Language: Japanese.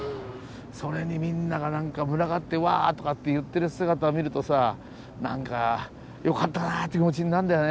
それにみんなが何か群がって「わ」とかって言ってる姿を見るとさ何かよかったなって気持ちになるんだよね。